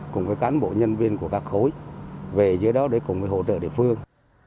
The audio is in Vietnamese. cùng với cán bộ nhân viên của các khối về dưới đó để cùng với hỗ trợ địa phương